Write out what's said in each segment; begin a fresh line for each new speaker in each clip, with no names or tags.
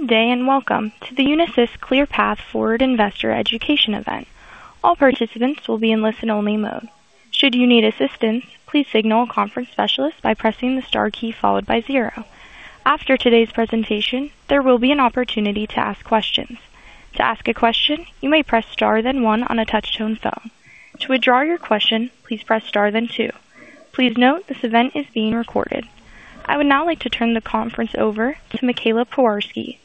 Good day and welcome to the Unisys ClearPath Forward Investor Education Event. All participants will be in listen-only mode. Should you need assistance, please signal a conference specialist by pressing the star key followed by zero. After today's presentation, there will be an opportunity to ask questions. To ask a question, you may press star then one on a touch-tone phone. To withdraw your question, please press star then two. Please note this event is being recorded. I would now like to turn the conference over to Michaela Pewarski,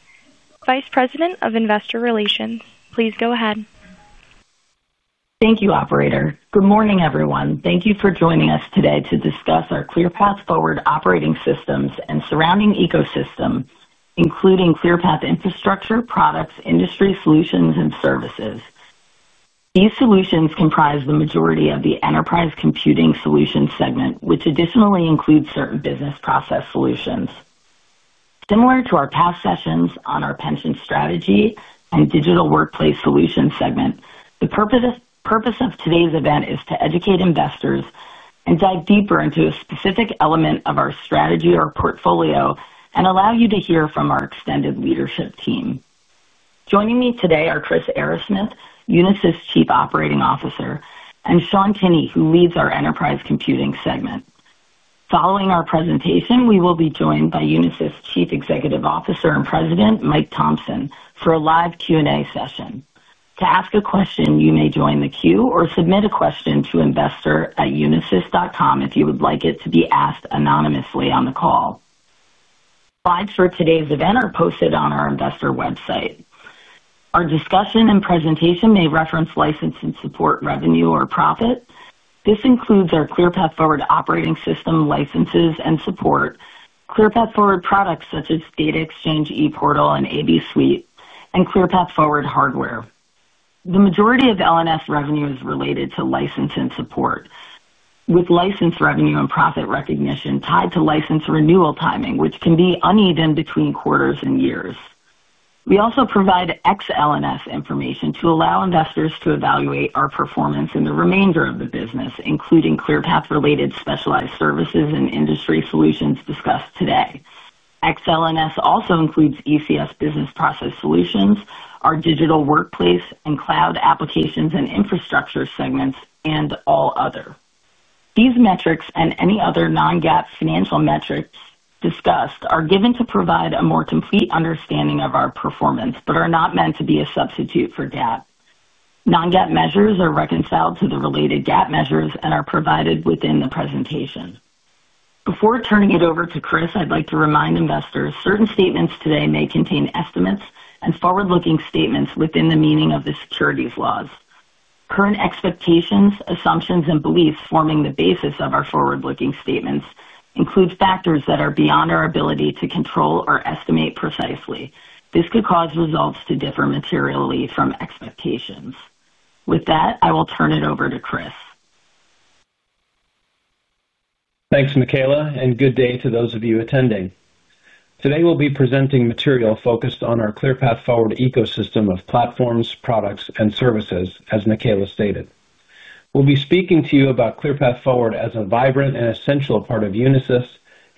Vice President of Investor Relations. Please go ahead.
Thank you, Operator. Good morning, everyone. Thank you for joining us today to discuss our ClearPath Forward operating systems and surrounding ecosystem, including ClearPath Infrastructure, Products, Industry Solutions, and Services. These solutions comprise the majority of the enterprise computing solution segment, which additionally includes certain business process solutions. Similar to our past sessions on our pension strategy and Digital Workplace Solutions segment, the purpose of today's event is to educate investors and dive deeper into a specific element of our strategy or portfolio and allow you to hear from our extended leadership team. Joining me today are Chris Arrasmith, Unisys Chief Operating Officer, and Sean Kinney, who leads our Enterprise Computing Solutions segment. Following our presentation, we will be joined by Unisys Chief Executive Officer and President, Mike Thomson, for a live Q&A session. To ask a question, you may join the queue or submit a question to investor@unisys.com if you would like it to be asked anonymously on the call. Slides for today's event are posted on our investor website. Our discussion and presentation may reference license and support revenue or profit. This includes our ClearPath Forward operating system, licenses, and support, ClearPath Forward products such as Data Exchange, ePortal, and A/B Suite, and ClearPath Forward hardware. The majority of L&S revenue is related to license and support, with license revenue and profit recognition tied to license renewal timing, which can be uneven between quarters and years. We also provide ex-L&S information to allow investors to evaluate our performance in the remainder of the business, including ClearPath-related specialized services and industry solutions discussed today. Ex-L&S also includes ECS business process solutions, our Digital Workplace Solutions and Cloud Services segments, and all other. These metrics and any other non-GAAP financial metrics discussed are given to provide a more complete understanding of our performance but are not meant to be a substitute for GAAP. Non-GAAP measures are reconciled to the related GAAP measures and are provided within the presentation. Before turning it over to Chris, I'd like to remind investors certain statements today may contain estimates and forward-looking statements within the meaning of the securities laws. Current expectations, assumptions, and beliefs forming the basis of our forward-looking statements include factors that are beyond our ability to control or estimate precisely. This could cause results to differ materially from expectations. With that, I will turn it over to Chris.
Thanks, Michaela, and good day to those of you attending. Today, we'll be presenting material focused on our ClearPath Forward ecosystem of platforms, products, and services, as Michaela stated. We'll be speaking to you about ClearPath Forward as a vibrant and essential part of Unisys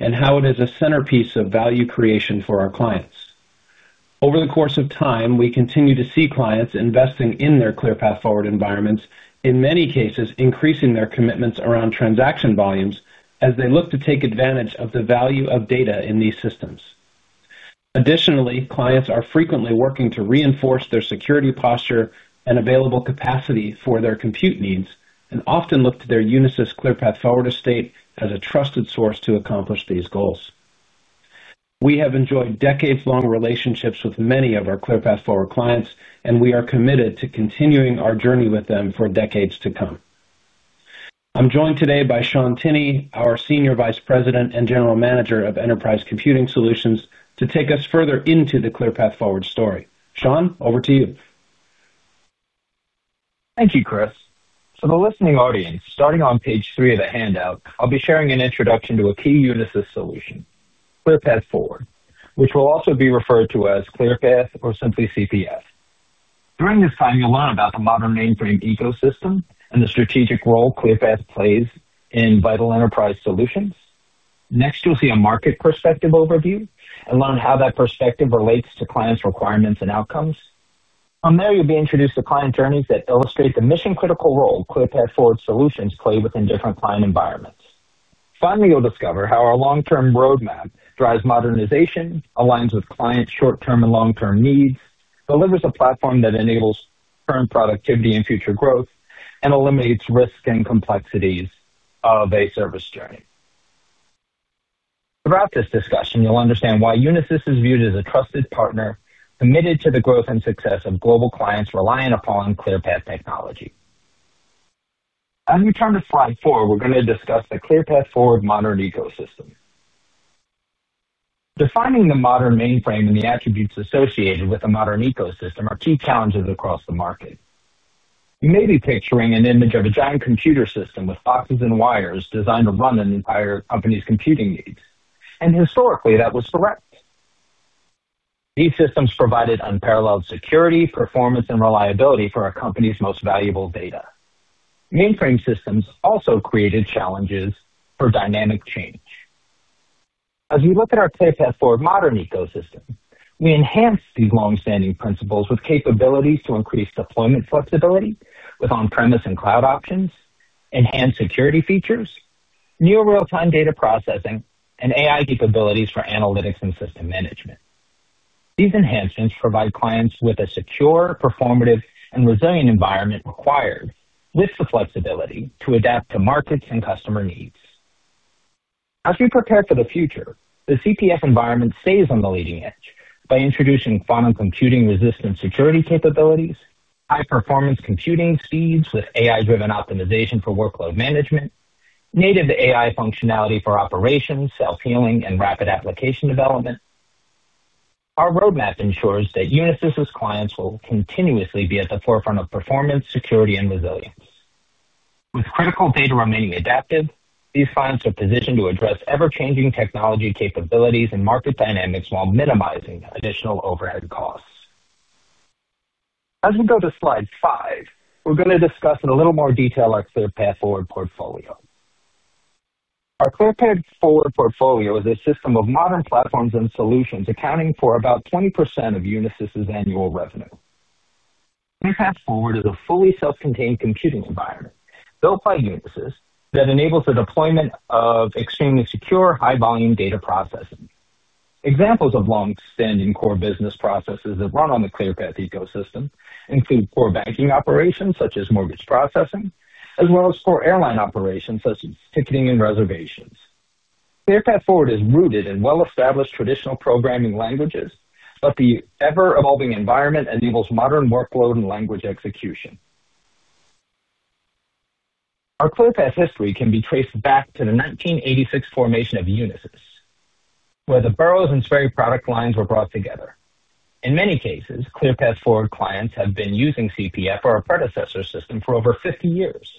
and how it is a centerpiece of value creation for our clients. Over the course of time, we continue to see clients investing in their ClearPath Forward environments, in many cases increasing their commitments around transaction volumes as they look to take advantage of the value of data in these systems. Additionally, clients are frequently working to reinforce their security posture and available capacity for their compute needs and often look to their Unisys ClearPath Forward estate as a trusted source to accomplish these goals. We have enjoyed decades-long relationships with many of our ClearPath Forward clients, and we are committed to continuing our journey with them for decades to come. I'm joined today by Sean Kinney, our Senior Vice President and General Manager of Enterprise Computing Solutions, to take us further into the ClearPath Forward story. Sean, over to you.
Thank you, Chris. For the listening audience, starting on page three of the handout, I'll be sharing an introduction to a key Unisys solution, ClearPath Forward, which will also be referred to as ClearPath or simply CPS. During this time, you'll learn about the modern mainframe ecosystem and the strategic role ClearPath plays in vital enterprise solutions. Next, you'll see a market perspective overview and learn how that perspective relates to clients' requirements and outcomes. From there, you'll be introduced to client journeys that illustrate the mission-critical role ClearPath Forward solutions play within different client environments. Finally, you'll discover how our long-term roadmap drives modernization, aligns with clients' short-term and long-term needs, delivers a platform that enables current productivity and future growth, and eliminates risk and complexities of a service journey. Throughout this discussion, you'll understand why Unisys is viewed as a trusted partner committed to the growth and success of global clients reliant upon ClearPath technology. As we turn to slide four, we're going to discuss the ClearPath Forward modern ecosystem. Defining the modern mainframe and the attributes associated with a modern ecosystem are key challenges across the market. You may be picturing an image of a giant computer system with boxes and wires designed to run an entire company's computing needs. Historically, that was correct. These systems provided unparalleled security, performance, and reliability for our company's most valuable data. Mainframe systems also created challenges for dynamic change. As we look at our ClearPath Forward modern ecosystem, we enhance these longstanding principles with capabilities to increase deployment flexibility with on-premise and cloud options, enhanced security features, near real-time data processing, and AI capabilities for analytics and system management. These enhancements provide clients with a secure, performative, and resilient environment required with the flexibility to adapt to market and customer needs. As we prepare for the future, the CPS environment stays on the leading edge by introducing quantum computing-resistant security capabilities, high-performance computing feeds with AI-driven optimization for workload management, native AI functionality for operations, self-healing, and rapid application development. Our roadmap ensures that Unisys's clients will continuously be at the forefront of performance, security, and resilience. With critical data remaining adaptive, these clients are positioned to address ever-changing technology capabilities and market dynamics while minimizing additional overhead costs. As we go to slide five, we're going to discuss in a little more detail our ClearPath Forward portfolio. Our ClearPath Forward portfolio is a system of modern platforms and solutions accounting for about 20% of Unisys's annual revenue. ClearPath Forward is a fully self-contained computing environment built by Unisys that enables the deployment of extremely secure, high-volume data processing. Examples of longstanding core business processes that run on the ClearPath ecosystem include core banking operations such as mortgage processing, as well as core airline operations such as ticketing and reservations. ClearPath Forward is rooted in well-established traditional programming languages, but the ever-evolving environment enables modern workload and language execution. Our ClearPath history can be traced back to the 1986 formation of Unisys, where the Burroughs and Sperry product lines were brought together. In many cases, ClearPath Forward clients have been using CPF or a predecessor system for over 50 years.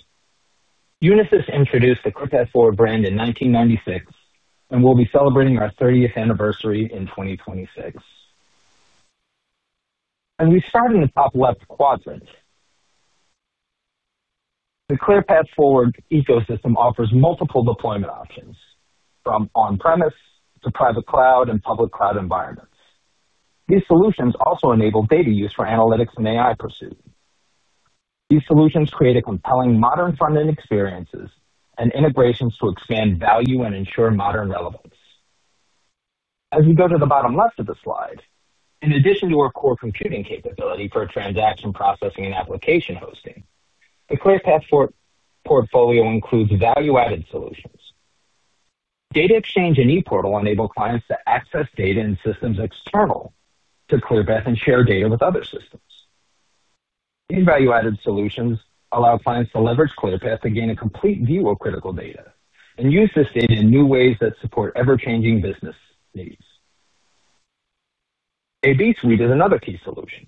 Unisys introduced the ClearPath Forward brand in 1996, and we'll be celebrating our 30th anniversary in 2026. As we start in the top left quadrant, the ClearPath Forward ecosystem offers multiple deployment options from on-premise to private cloud and public cloud environments. These solutions also enable data use for analytics and AI pursuit. These solutions create a compelling modern front-end experience and integrations to expand value and ensure modern relevance. As we go to the bottom left of the slide, in addition to our core computing capability for transaction processing and application hosting, the ClearPath portfolio includes value-added solutions. Data Exchange and ePortal enable clients to access data in systems external to ClearPath and share data with other systems. These value-added solutions allow clients to leverage ClearPath to gain a complete view of critical data and use this data in new ways that support ever-changing business needs. A/B Suite is another key solution,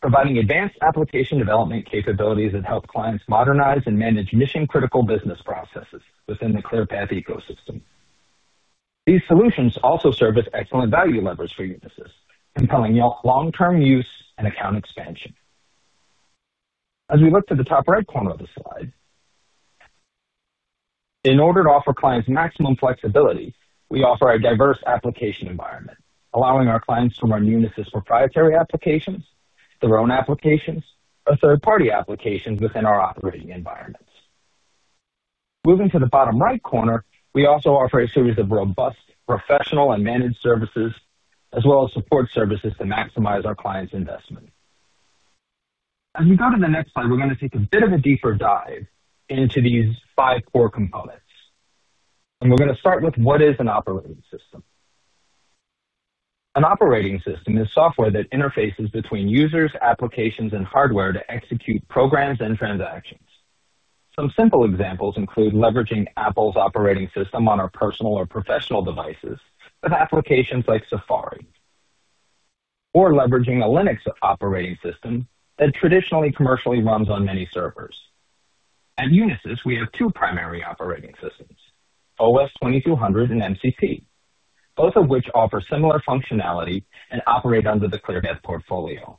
providing advanced application development capabilities that help clients modernize and manage mission-critical business processes within the ClearPath ecosystem. These solutions also serve as excellent value levers for Unisys, compelling long-term use and account expansion. As we look to the top right corner of the slide, in order to offer clients maximum flexibility, we offer a diverse application environment, allowing our clients from our Unisys proprietary applications, their own applications, or third-party applications within our operating environments. Moving to the bottom right corner, we also offer a series of robust professional and managed services, as well as support services to maximize our clients' investment. As we go to the next slide, we're going to take a bit of a deeper dive into these five core components. We're going to start with what is an operating system. An operating system is software that interfaces between users, applications, and hardware to execute programs and transactions. Some simple examples include leveraging Apple's operating system on our personal or professional devices with applications like Safari or leveraging a Linux operating system that traditionally commercially runs on many servers. At Unisys, we have two primary operating systems, OS 2200 and MCP, both of which offer similar functionality and operate under the ClearPath Forward portfolio.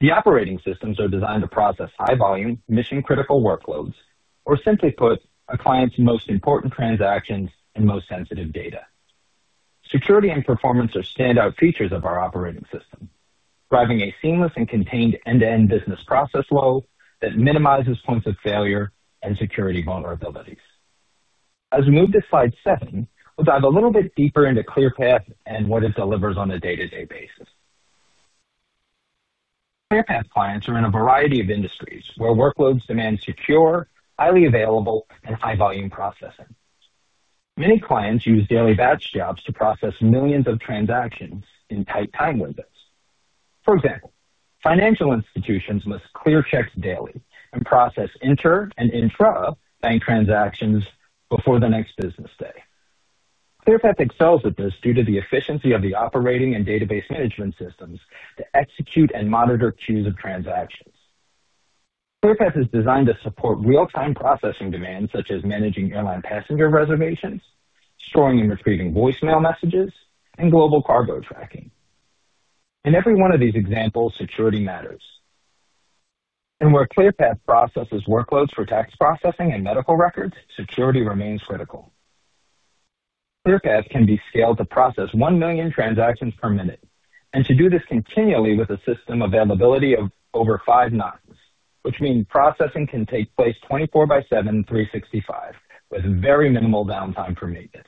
The operating systems are designed to process high-volume, mission-critical workloads, or simply put, a client's most important transactions and most sensitive data. Security and performance are standout features of our operating system, driving a seamless and contained end-to-end business process flow that minimizes points of failure and security vulnerabilities. As we move to slide seven, we'll dive a little bit deeper into ClearPath Forward and what it delivers on a day-to-day basis. ClearPath Forward clients are in a variety of industries where workloads demand secure, highly available, and high-volume processing. Many clients use daily batch jobs to process millions of transactions in tight time windows. For example, financial institutions must clear checks daily and process inter and intra-bank transactions before the next business day. ClearPath Forward excels at this due to the efficiency of the operating and database management systems to execute and monitor queues of transactions. ClearPath Forward is designed to support real-time processing demands such as managing airline passenger reservations, storing and retrieving voicemail messages, and global cargo tracking. In every one of these examples, security matters. Where ClearPath processes workloads for tax processing and medical records, security remains critical. ClearPath can be scaled to process 1 million transactions per minute and to do this continually with a system availability of over five nines, which means processing can take place 24 by 7, 365, with very minimal downtime for maintenance.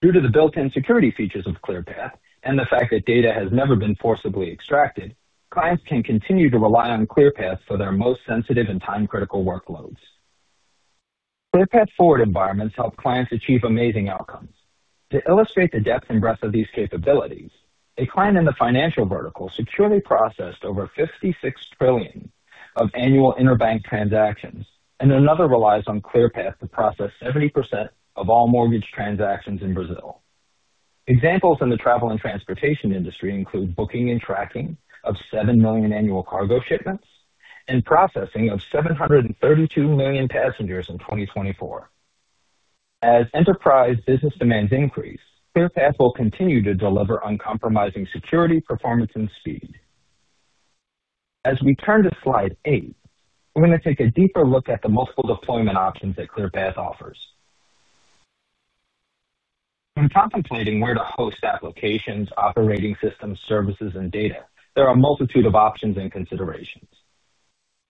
Due to the built-in security features of ClearPath and the fact that data has never been forcibly extracted, clients can continue to rely on ClearPath for their most sensitive and time-critical workloads. ClearPath Forward environments help clients achieve amazing outcomes. To illustrate the depth and breadth of these capabilities, a client in the financial vertical securely processed over $56 trillion of annual interbank transactions, and another relies on ClearPath to process 70% of all mortgage transactions in Brazil. Examples in the travel and transportation industry include booking and tracking of 7 million annual cargo shipments and processing of 732 million passengers in 2024. As enterprise business demands increase, ClearPath will continue to deliver uncompromising security, performance, and speed. As we turn to slide eight, we're going to take a deeper look at the multiple deployment options that ClearPath offers. When contemplating where to host applications, operating systems, services, and data, there are a multitude of options and considerations.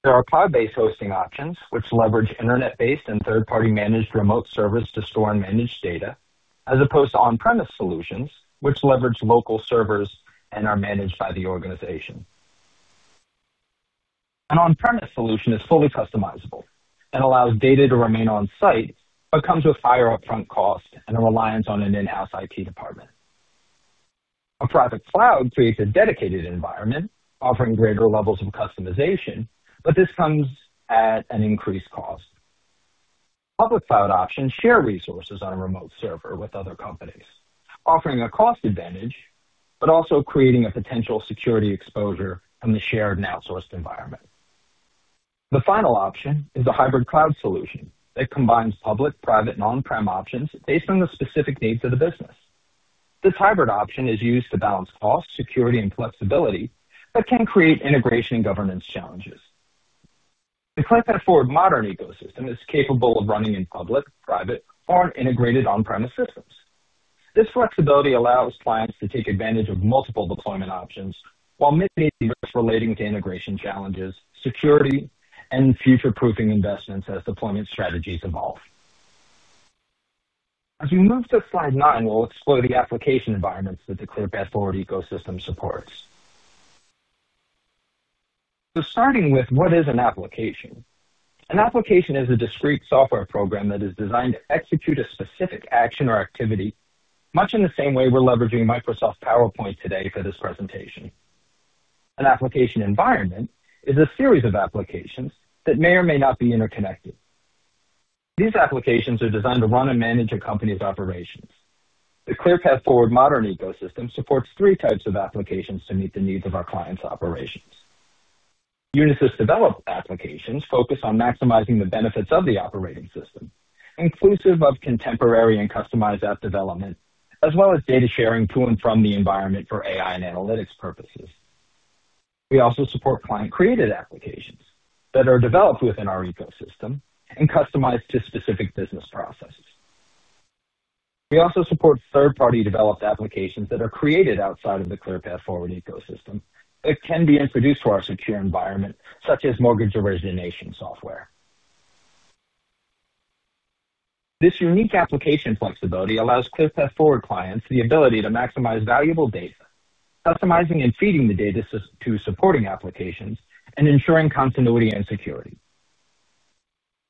There are cloud-based hosting options, which leverage internet-based and third-party managed remote servers to store and manage data, as opposed to on-premise solutions, which leverage local servers and are managed by the organization. An on-premise solution is fully customizable and allows data to remain on-site, but comes with higher upfront costs and a reliance on an in-house IT department. A private cloud creates a dedicated environment offering greater levels of customization, but this comes at an increased cost. Public cloud options share resources on a remote server with other companies, offering a cost advantage, but also creating a potential security exposure from the shared and outsourced environment. The final option is a hybrid cloud solution that combines public, private, and on-prem options based on the specific needs of the business. This hybrid option is used to balance cost, security, and flexibility, but can create integration and governance challenges. The ClearPath Forward modern ecosystem is capable of running in public, private, or integrated on-premise systems. This flexibility allows clients to take advantage of multiple deployment options while mitigating risks relating to integration challenges, security, and future-proofing investments as deployment strategies evolve. As we move to slide nine, we'll explore the application environments that the ClearPath Forward ecosystem supports. Starting with what is an application? An application is a discrete software program that is designed to execute a specific action or activity, much in the same way we're leveraging Microsoft PowerPoint today for this presentation. An application environment is a series of applications that may or may not be interconnected. These applications are designed to run and manage a company's operations. The ClearPath Forward modern ecosystem supports three types of applications to meet the needs of our clients' operations. Unisys developed applications focus on maximizing the benefits of the operating system, inclusive of contemporary and customized app development, as well as data sharing to and from the environment for AI and analytics purposes. We also support client-created applications that are developed within our ecosystem and customized to specific business processes. We also support third-party developed applications that are created outside of the ClearPath Forward ecosystem that can be introduced to our secure environment, such as mortgage origination software. This unique application flexibility allows ClearPath Forward clients the ability to maximize valuable data, customizing and feeding the data to supporting applications, and ensuring continuity and security.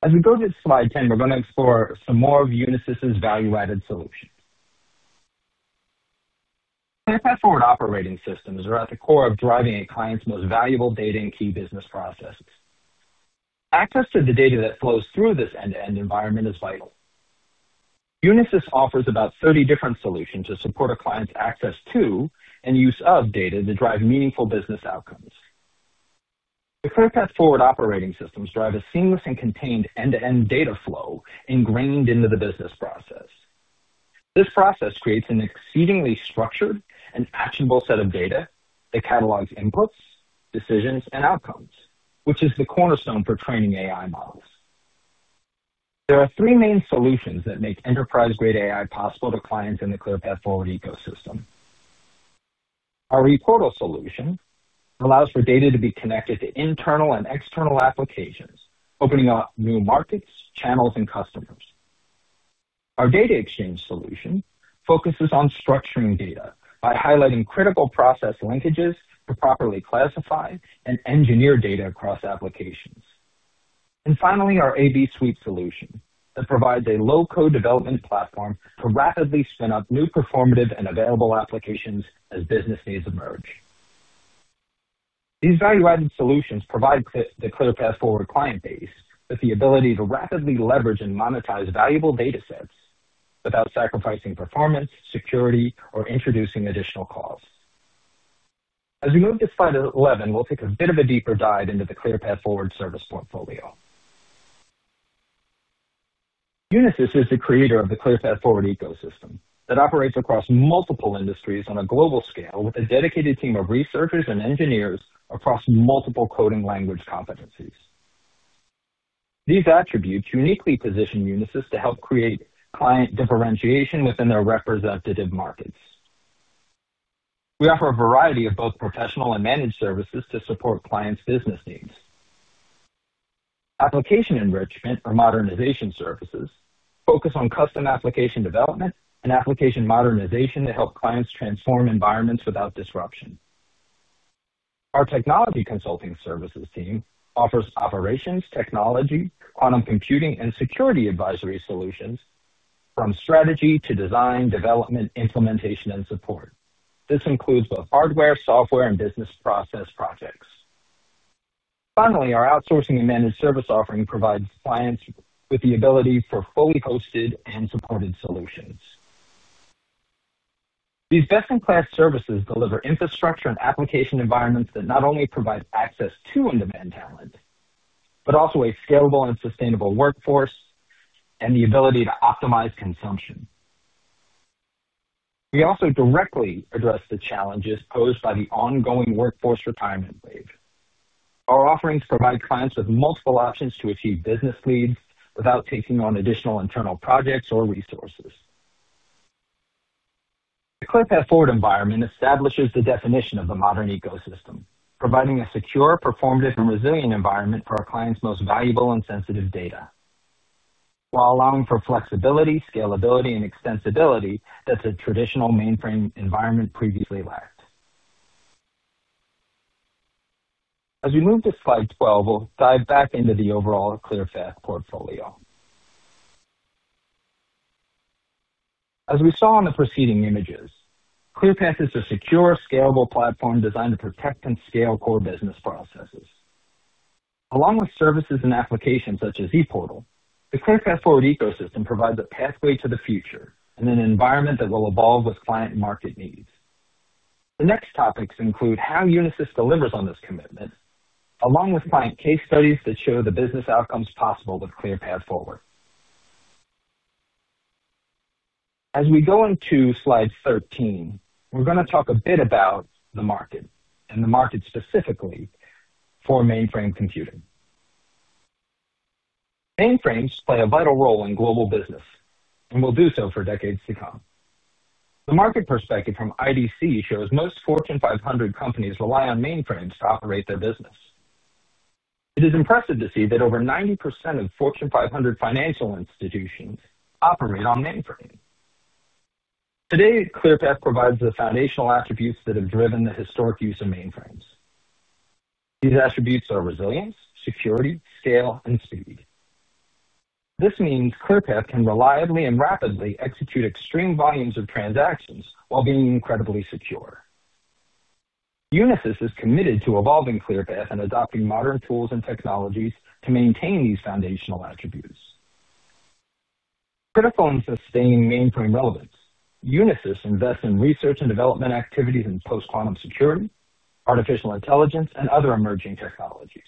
As we go to slide 10, we're going to explore some more of Unisys's value-added solutions. ClearPath Forward operating systems are at the core of driving a client's most valuable data and key business processes. Access to the data that flows through this end-to-end environment is vital. Unisys offers about 30 different solutions to support a client's access to and use of data to drive meaningful business outcomes. The ClearPath Forward operating systems drive a seamless and contained end-to-end data flow ingrained into the business process. This process creates an exceedingly structured and actionable set of data that catalogs inputs, decisions, and outcomes, which is the cornerstone for training AI models. There are three main solutions that make enterprise-grade AI possible to clients in the ClearPath Forward ecosystem. Our ePortal solution allows for data to be connected to internal and external applications, opening up new markets, channels, and customers. Our Data Exchange solution focuses on structuring data by highlighting critical process linkages to properly classify and engineer data across applications. Our A/B Suite solution provides a low-code development platform to rapidly spin up new performative and available applications as business needs emerge. These value-added solutions provide the ClearPath Forward client base with the ability to rapidly leverage and monetize valuable data sets without sacrificing performance, security, or introducing additional costs. As we move to slide 11, we'll take a bit of a deeper dive into the ClearPath Forward service portfolio. Unisys is the creator of the ClearPath Forward ecosystem that operates across multiple industries on a global scale with a dedicated team of researchers and engineers across multiple coding language competencies. These attributes uniquely position Unisys to help create client differentiation within their representative markets. We offer a variety of both professional and managed services to support clients' business needs. Application enrichment or modernization services focus on custom application development and application modernization to help clients transform environments without disruption. Our technology consulting services team offers operations, technology, quantum computing, and security advisory solutions from strategy to design, development, implementation, and support. This includes hardware, software, and business process projects. Our outsourcing and managed service offering provides clients with the ability for fully hosted and supported solutions. These best-in-class services deliver infrastructure and application environments that not only provide access to and demand talent, but also a scalable and sustainable workforce and the ability to optimize consumption. We also directly address the challenges posed by the ongoing workforce retirement wave. Our offerings provide clients with multiple options to achieve business leads without taking on additional internal projects or resources. The ClearPath Forward environment establishes the definition of the modern ecosystem, providing a secure, performative, and resilient environment for our clients' most valuable and sensitive data, while allowing for flexibility, scalability, and extensibility that the traditional mainframe environment previously lacked. As we move to slide 12, we'll dive back into the overall ClearPath portfolio. As we saw in the preceding images, ClearPath is a secure, scalable platform designed to protect and scale core business processes. Along with services and applications such as ePortal, the ClearPath Forward ecosystem provides a pathway to the future and an environment that will evolve with client market needs. The next topics include how Unisys delivers on this commitment, along with client case studies that show the business outcomes possible with ClearPath Forward. As we go into slide 13, we're going to talk a bit about the market and the market specifically for mainframe computing. Mainframes play a vital role in global business and will do so for decades to come. The market perspective from IDC shows most Fortune 500 companies rely on mainframes to operate their business. It is impressive to see that over 90% of Fortune 500 financial institutions operate on mainframes. Today, ClearPath provides the foundational attributes that have driven the historic use of mainframes. These attributes are resilience, security, scale, and speed. This means ClearPath can reliably and rapidly execute extreme volumes of transactions while being incredibly secure. Unisys is committed to evolving ClearPath and adopting modern tools and technologies to maintain these foundational attributes. Critical and sustained mainframe relevance, Unisys invests in research and development activities in post-quantum security, artificial intelligence, and other emerging technologies.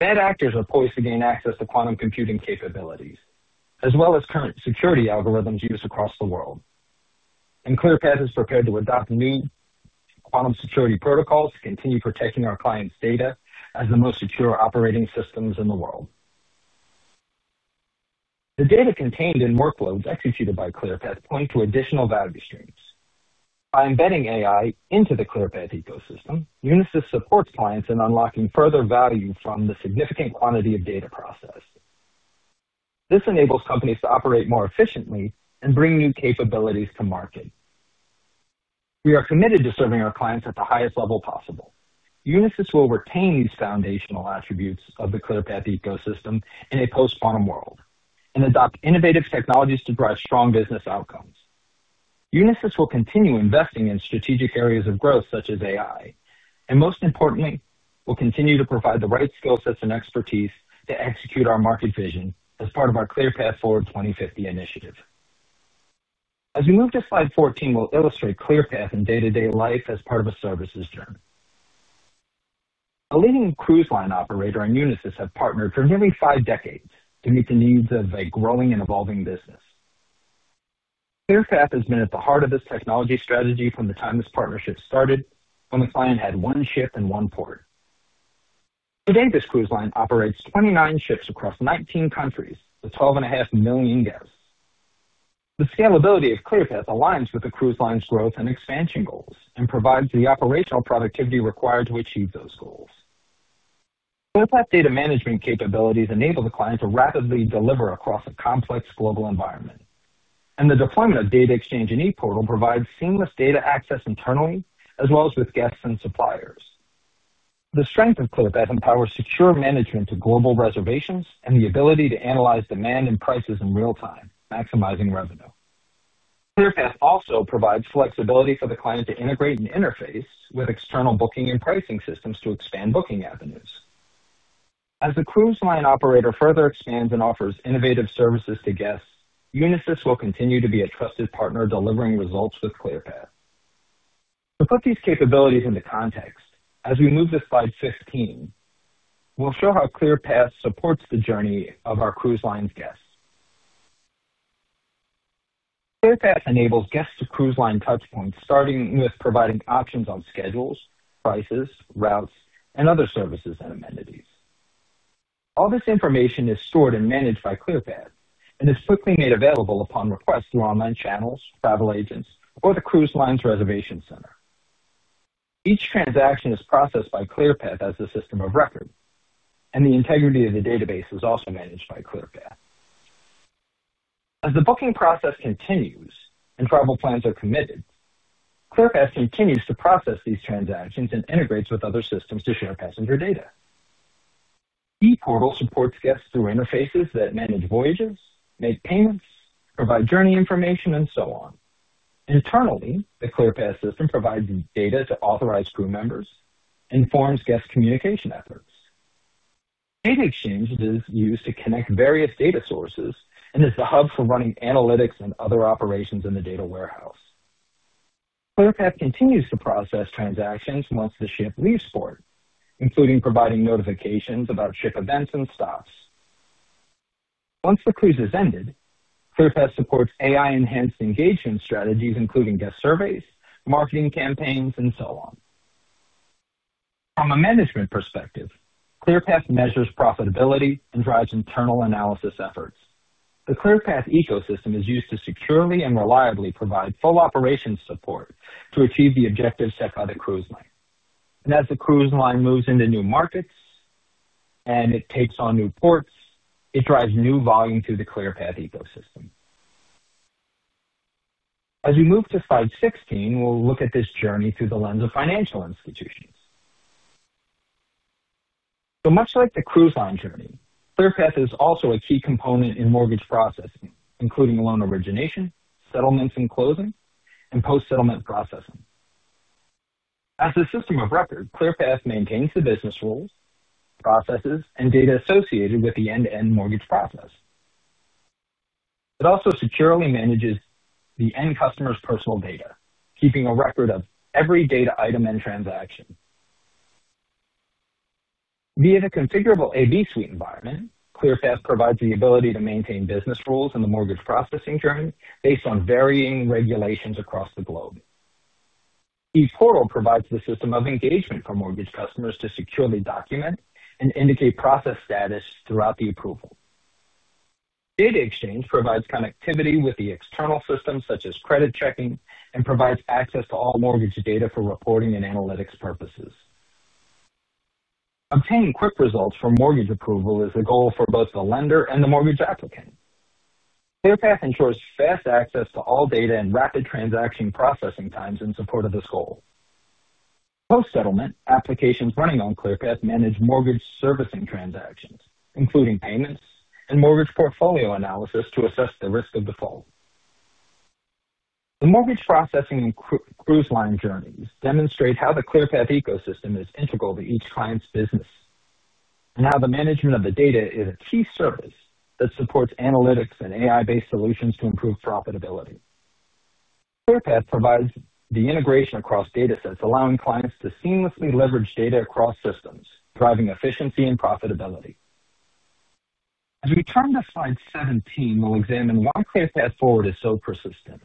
Bad actors are poised to gain access to quantum computing capabilities, as well as current security algorithms used across the world. ClearPath is prepared to adopt new quantum security protocols to continue protecting our clients' data as the most secure operating systems in the world. The data contained in workloads executed by ClearPath point to additional value streams. By embedding AI into the ClearPath ecosystem, Unisys supports clients in unlocking further value from the significant quantity of data processed. This enables companies to operate more efficiently and bring new capabilities to market. We are committed to serving our clients at the highest level possible. Unisys will retain these foundational attributes of the ClearPath ecosystem in a post-quantum world and adopt innovative technologies to drive strong business outcomes. Unisys will continue investing in strategic areas of growth, such as AI, and most importantly, will continue to provide the right skill sets and expertise to execute our market vision as part of our ClearPath Forward 2050 initiative. As we move to slide 14, we'll illustrate ClearPath in day-to-day life as part of a services journey. A leading cruise line operator and Unisys have partnered for nearly five decades to meet the needs of a growing and evolving business. ClearPath has been at the heart of this technology strategy from the time this partnership started, when the client had one ship and one port. Today, this cruise line operates 29 ships across 19 countries with 12.5 million guests. The scalability of ClearPath aligns with the cruise line's growth and expansion goals and provides the operational productivity required to achieve those goals. ClearPath data management capabilities enable the client to rapidly deliver across a complex global environment. The deployment of Data Exchange and ePortal provides seamless data access internally, as well as with guests and suppliers. The strength of ClearPath empowers secure management of global reservations and the ability to analyze demand and prices in real time, maximizing revenue. ClearPath also provides flexibility for the client to integrate and interface with external booking and pricing systems to expand booking avenues. As the cruise line operator further expands and offers innovative services to guests, Unisys will continue to be a trusted partner delivering results with ClearPath. To put these capabilities into context, as we move to slide 15, we'll show how ClearPath supports the journey of our cruise line's guests. ClearPath enables guests to cruise line touchpoints, starting with providing options on schedules, prices, routes, and other services and amenities. All this information is stored and managed by ClearPath and is quickly made available upon request through online channels, travel agents, or the cruise line's reservation center. Each transaction is processed by ClearPath as a system of record, and the integrity of the database is also managed by ClearPath. As the booking process continues and travel plans are committed, ClearPath Forward continues to process these transactions and integrates with other systems to share passenger data. ePortal supports guests through interfaces that manage voyages, make payments, provide journey information, and so on. Internally, the ClearPath Forward system provides data to authorized crew members and forms guest communication efforts. Data Exchange is used to connect various data sources and is the hub for running analytics and other operations in the data warehouse. ClearPath Forward continues to process transactions once the ship leaves port, including providing notifications about ship events and stops. Once the cruise has ended, ClearPath Forward supports AI-enhanced engagement strategies, including guest surveys, marketing campaigns, and so on. From a management perspective, ClearPath Forward measures profitability and drives internal analysis efforts. The ClearPath Forward ecosystem is used to securely and reliably provide full operations support to achieve the objectives set by the cruise line. As the cruise line moves into new markets and it takes on new ports, it drives new volume through the ClearPath Forward ecosystem. As we move to slide 16, we'll look at this journey through the lens of financial institutions. Much like the cruise line journey, ClearPath Forward is also a key component in mortgage processing, including loan origination, settlements and closing, and post-settlement processing. As a system of record, ClearPath Forward maintains the business rules, processes, and data associated with the end-to-end mortgage process. It also securely manages the end customer's personal data, keeping a record of every data item and transaction. Via the configurable A/B Suite environment, ClearPath Forward provides the ability to maintain business rules in the mortgage processing journey based on varying regulations across the globe. ePortal provides the system of engagement for mortgage customers to securely document and indicate process status throughout the approval. Data Exchange provides connectivity with the external systems, such as credit checking, and provides access to all mortgage data for reporting and analytics purposes. Obtaining quick results for mortgage approval is the goal for both the lender and the mortgage applicant. ClearPath Forward ensures fast access to all data and rapid transaction processing times in support of this goal. Post-settlement applications running on ClearPath manage mortgage servicing transactions, including payments and mortgage portfolio analysis to assess the risk of default. The mortgage processing and cruise line journeys demonstrate how the ClearPath ecosystem is integral to each client's business and how the management of the data is a key service that supports analytics and AI-based solutions to improve profitability. ClearPath provides the integration across data sets, allowing clients to seamlessly leverage data across systems, driving efficiency and profitability. As we turn to slide 17, we'll examine why ClearPath Forward is so persistent.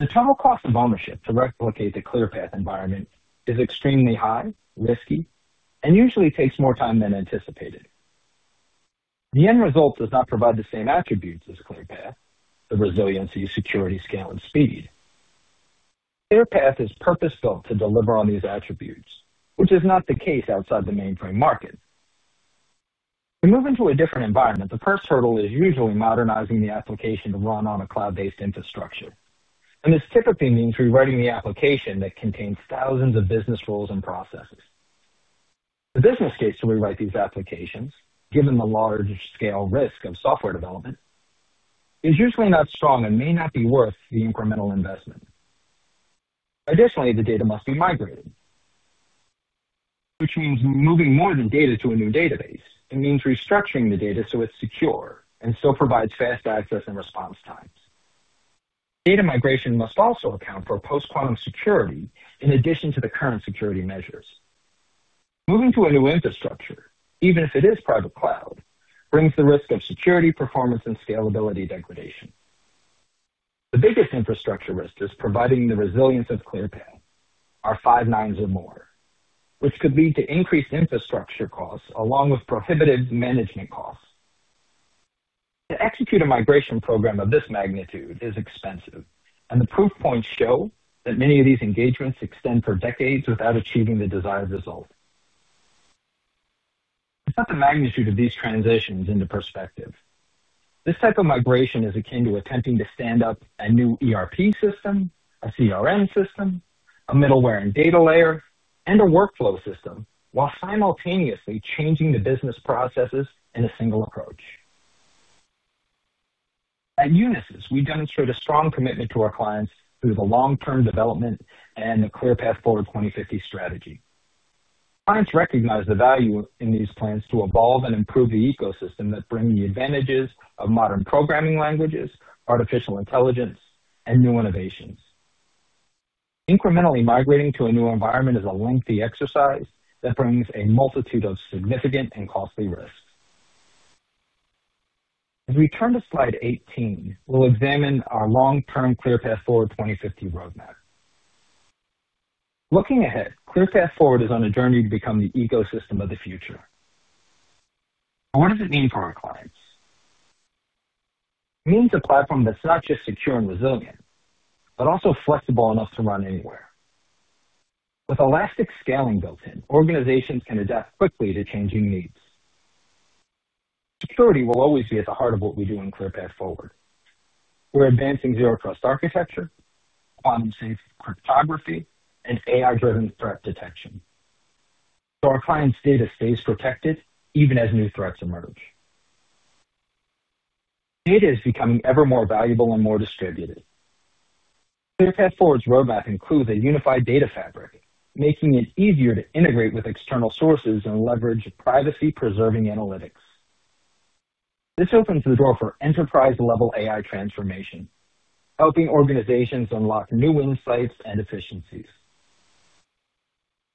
The total cost of ownership to replicate the ClearPath environment is extremely high, risky, and usually takes more time than anticipated. The end result does not provide the same attributes as ClearPath: the resiliency, security, scale, and speed. ClearPath is purpose-built to deliver on these attributes, which is not the case outside the mainframe market. To move into a different environment, the first hurdle is usually modernizing the application to run on a cloud-based infrastructure. This typically means rewriting the application that contains thousands of business rules and processes. The business case to rewrite these applications, given the large-scale risk of software development, is usually not strong and may not be worth the incremental investment. Additionally, the data must be migrated, which means moving more than data to a new database. It means restructuring the data so it's secure and still provides fast access and response times. Data migration must also account for post-quantum security in addition to the current security measures. Moving to a new infrastructure, even if it is private cloud, brings the risk of security, performance, and scalability degradation. The biggest infrastructure risk is providing the resilience of ClearPath, our five nines or more, which could lead to increased infrastructure costs along with prohibitive management costs. To execute a migration program of this magnitude is expensive, and the proof points show that many of these engagements extend for decades without achieving the desired result. It's not the magnitude of these transitions into perspective. This type of migration is akin to attempting to stand up a new ERP system, a CRM system, a middleware and data layer, and a workflow system while simultaneously changing the business processes in a single approach. At Unisys, we demonstrate a strong commitment to our clients through the long-term development and the ClearPath Forward 2050 strategy. Clients recognize the value in these plans to evolve and improve the ecosystem that brings the advantages of modern programming languages, artificial intelligence, and new innovations. Incrementally migrating to a new environment is a lengthy exercise that brings a multitude of significant and costly risks. As we turn to slide 18, we'll examine our long-term ClearPath Forward 2050 roadmap. Looking ahead, ClearPath Forward is on a journey to become the ecosystem of the future. What does it mean for our clients? It means a platform that's not just secure and resilient, but also flexible enough to run anywhere. With elastic scaling built in, organizations can adapt quickly to changing needs. Security will always be at the heart of what we do in ClearPath Forward. We're advancing zero trust architecture, quantum-safe cryptography, and AI-driven threat detection. Our clients' data stays protected even as new threats emerge. Data is becoming ever more valuable and more distributed. ClearPath Forward's roadmap includes a unified data fabric, making it easier to integrate with external sources and leverage privacy-preserving analytics. This opens the door for enterprise-level AI transformation, helping organizations unlock new insights and efficiencies.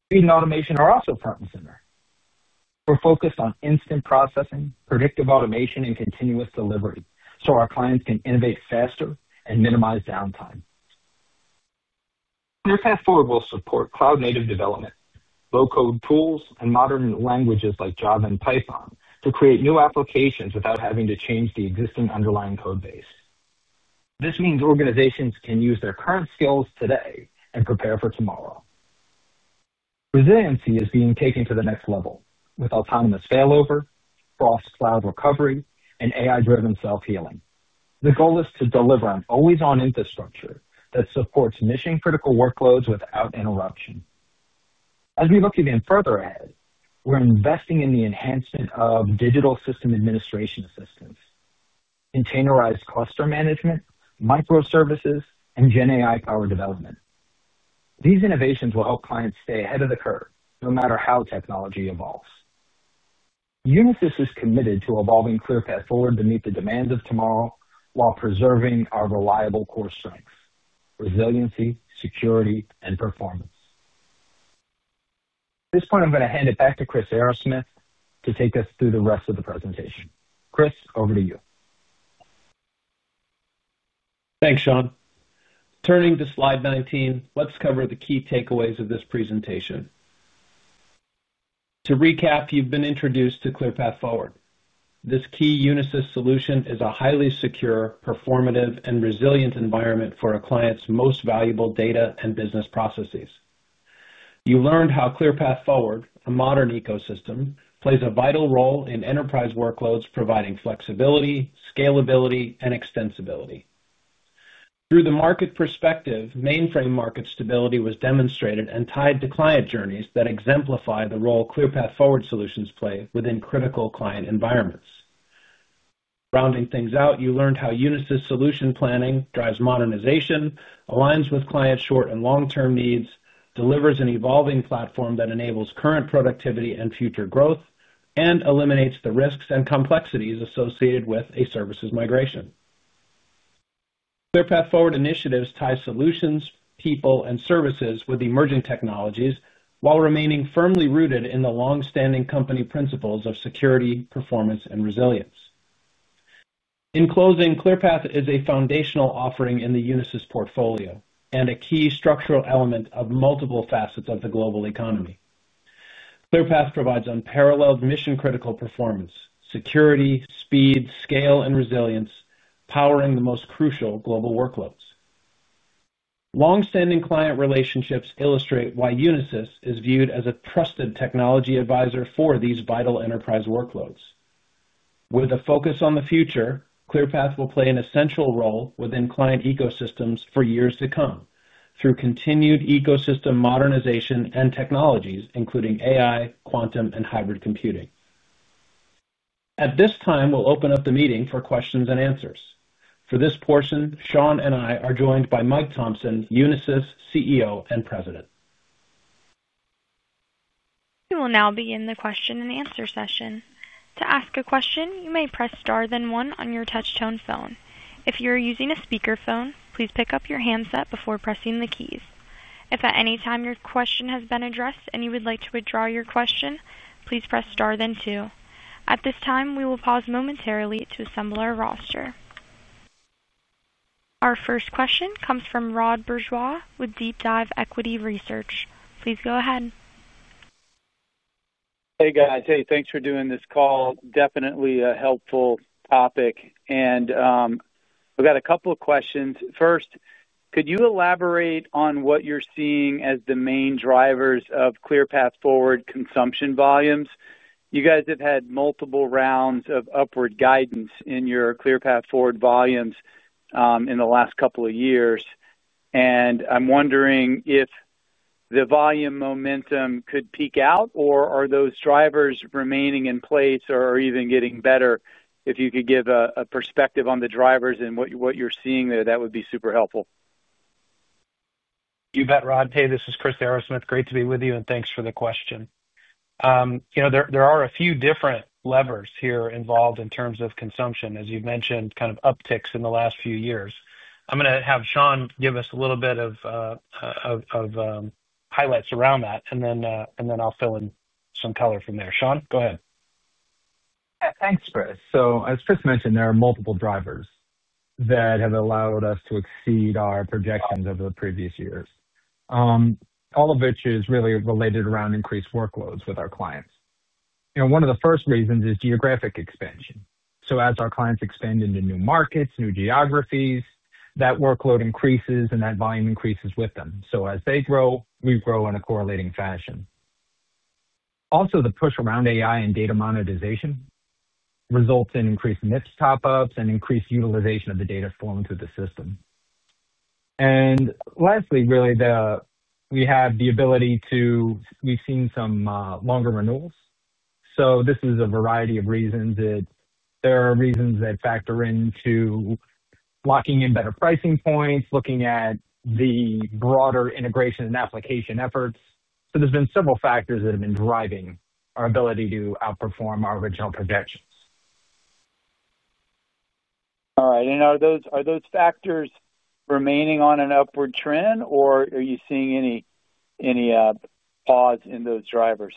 Speed and automation are also front and center. We're focused on instant processing, predictive automation, and continuous delivery so our clients can innovate faster and minimize downtime. ClearPath Forward will support cloud-native development, low-code tools, and modern languages like Java and Python to create new applications without having to change the existing underlying code base. This means organizations can use their current skills today and prepare for tomorrow. Resiliency is being taken to the next level with autonomous failover, cross-cloud recovery, and AI-driven self-healing. The goal is to deliver on always-on infrastructure that supports mission-critical workloads without interruption. As we look even further ahead, we're investing in the enhancement of digital system administration assistants, containerized cluster management, microservices, and GenAI-powered development. These innovations will help clients stay ahead of the curve, no matter how technology evolves. Unisys is committed to evolving ClearPath Forward to meet the demands of tomorrow while preserving our reliable core strengths: resiliency, security, and performance. At this point, I'm going to hand it back to Chris Arrasmith to take us through the rest of the presentation. Chris, over to you.
Thanks, Sean. Turning to slide 19, let's cover the key takeaways of this presentation. To recap, you've been introduced to ClearPath Forward. This key Unisys solution is a highly secure, performative, and resilient environment for a client's most valuable data and business processes. You learned how ClearPath Forward, a modern ecosystem, plays a vital role in enterprise workloads, providing flexibility, scalability, and extensibility. Through the market perspective, mainframe market stability was demonstrated and tied to client journeys that exemplify the role ClearPath Forward solutions play within critical client environments. Rounding things out, you learned how Unisys solution planning drives modernization, aligns with client short and long-term needs, delivers an evolving platform that enables current productivity and future growth, and eliminates the risks and complexities associated with a services migration. ClearPath Forward initiatives tie solutions, people, and services with emerging technologies while remaining firmly rooted in the longstanding company principles of security, performance, and resilience. In closing, ClearPath Forward is a foundational offering in the Unisys portfolio and a key structural element of multiple facets of the global economy. ClearPath Forward provides unparalleled mission-critical performance, security, speed, scale, and resilience, powering the most crucial global workloads. Longstanding client relationships illustrate why Unisys is viewed as a trusted technology advisor for these vital enterprise workloads. With a focus on the future, ClearPath Forward will play an essential role within client ecosystems for years to come through continued ecosystem modernization and technologies, including AI, quantum, and hybrid computing. At this time, we'll open up the meeting for questions and answers. For this portion, Sean and I are joined by Mike Thomson, Unisys CEO and President.
We will now begin the question and answer session. To ask a question, you may press star, then one on your touch-tone phone. If you're using a speaker phone, please pick up your handset before pressing the keys. If at any time your question has been addressed and you would like to withdraw your question, please press star, then two. At this time, we will pause momentarily to assemble our roster. Our first question comes from Rod Bourgeois with DeepDive Equity Research. Please go ahead.
Hey, guys. Hey, thanks for doing this call. Definitely a helpful topic. I've got a couple of questions. First, could you elaborate on what you're seeing as the main drivers of ClearPath Forward consumption volumes? You guys have had multiple rounds of upward guidance in your ClearPath Forward volumes in the last couple of years. I'm wondering if the volume momentum could peak out, or are those drivers remaining in place or even getting better? If you could give a perspective on the drivers and what you're seeing there, that would be super helpful.
You bet, Rod. Hey, this is Chris Arrasmith. Great to be with you, and thanks for the question. There are a few different levers here involved in terms of consumption, as you've mentioned, kind of upticks in the last few years. I'm going to have Sean give us a little bit of highlights around that, and then I'll fill in some color from there. Sean, go ahead.
Yeah, thanks, Chris. As Chris mentioned, there are multiple drivers that have allowed us to exceed our projections over the previous years, all of which is really related around increased workloads with our clients. One of the first reasons is geographic expansion. As our clients expand into new markets, new geographies, that workload increases and that volume increases with them. As they grow, we grow in a correlating fashion. Also, the push around AI and data monetization results in increased NIPS top-ups and increased utilization of the data flowing through the system. Lastly, we have the ability to, we've seen some longer renewals. This is a variety of reasons. There are reasons that factor into locking in better pricing points, looking at the broader integration and application efforts. There have been several factors that have been driving our ability to outperform our original projections. All right.
Are those factors remaining on an upward trend, or are you seeing any pause in those drivers?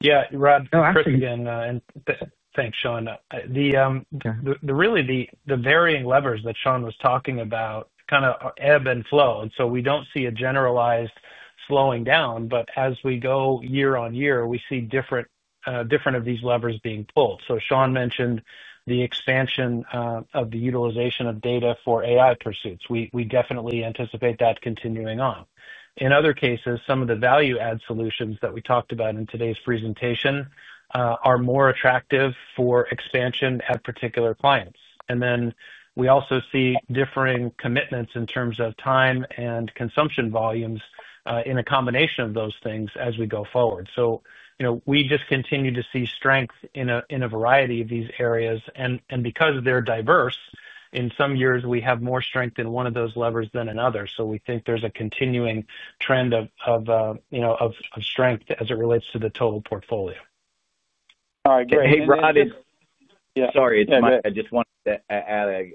Yeah, Rod.
No, I'm thinking, and thanks, Sean. Really, the varying levers that Sean was talking about kind of ebb and flow. We don't see a generalized slowing down, but as we go year on year, we see different of these levers being pulled. Sean mentioned the expansion of the utilization of data for AI pursuits. We definitely anticipate that continuing on. In other cases, some of the value-add solutions that we talked about in today's presentation are more attractive for expansion at particular clients. We also see differing commitments in terms of time and consumption volumes in a combination of those things as we go forward. We just continue to see strength in a variety of these areas. Because they're diverse, in some years, we have more strength in one of those levers than another. We think there's a continuing trend of strength as it relates to the total portfolio.
Sorry, it's Mike. I just wanted to add